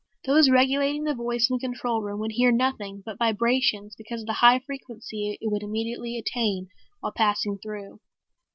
Those regulating the voice in the control room would hear nothing but vibrations because of the high frequency it would immediately attain while passing through.